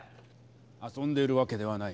遊んでるわけではない。